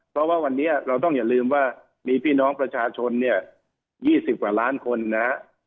เพราะว่าวันนี้เราต้องอย่าลืมว่ามีพี่น้องประชาชนเนี่ย๒๐กว่าล้านคนนะฮะ